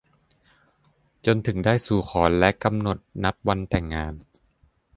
จนถึงได้สู่ขอและกำหนดนัดวันแต่งงาน